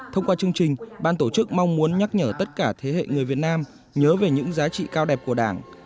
thông qua chương trình ban tổ chức mong muốn nhắc nhở tất cả thế hệ người việt nam nhớ về những giá trị cao đẹp của đảng